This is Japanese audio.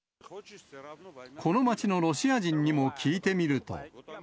この街のロシア人にも聞いてみると。